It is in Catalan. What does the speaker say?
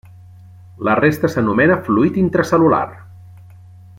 La resta s'anomena fluid intracel·lular.